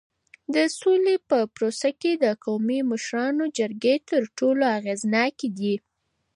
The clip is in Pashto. د سولې په پروسه کي د قومي مشرانو جرګې تر ټولو اغیزناکي دي.